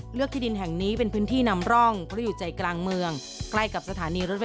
หลักมากยิ่งขึ้น